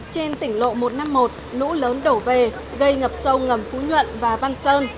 trên tỉnh lộ một trăm năm mươi một nũ lớn đổ về gây ngập sâu ngầm phú nhuận và văn sơn